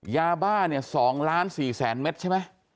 ยาบ้า๒๔ล้านเม็ดใช่ไหม